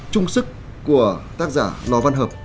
chung sức của tác giả lò văn hợp